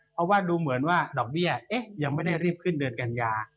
เพราะว่าดูเหมือนว่าดอกเบี้ยยังไม่ได้รีบขึ้นเดือนกันยา